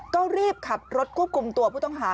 ก็รีบขับรถควบคุมตัวผู้ต้องหา